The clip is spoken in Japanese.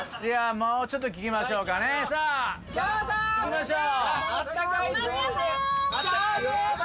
もうちょっと聞きましょうかねさあいきましょう